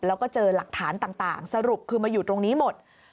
แล้วก็เจอหลักฐานต่างสรุปคือมาอยู่ตรงนี้หมด